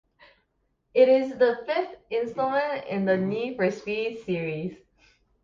It is the fifth installment in the "Need for Speed" series.